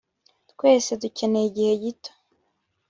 twese dukeneye igihe gito